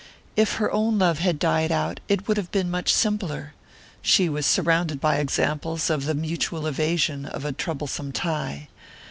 If her own love had died out it would have been much simpler she was surrounded by examples of the mutual evasion of a troublesome tie.